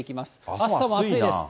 あしたも暑いです。